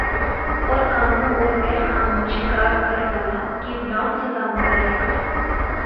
اورقانو اور غیر قانون شکار کر والہ کے ل سزا مقرر کر